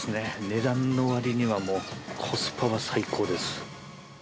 値段のわりには、もう、コスパは最高です。